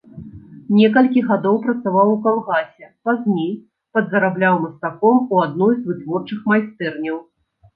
Некалькі гадоў працаваў у калгасе, пазней падзарабляў мастаком у адной з вытворчых майстэрняў.